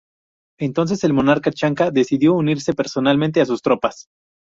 Entonces el monarca chanca decidió unirse personalmente a sus tropas.